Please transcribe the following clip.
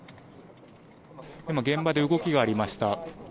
現場で動きがありました。